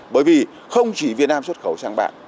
bởi vì không chỉ việt nam xuất khẩu sang bạn